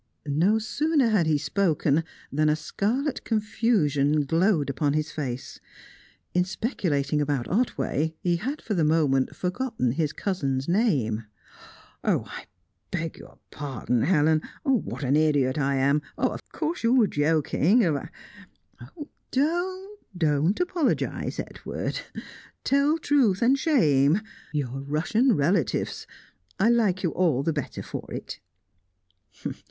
No sooner had he spoken that a scarlet confusion glowed upon his face. In speculating about Otway, he had for the moment forgotten his cousin's name. "I beg your pardon, Helen! What an idiot I am Of course you were joking, and I " "Don't, don't, don't apologise, Edward! Tell truth and shame your Russian relatives! I like you all the better for it."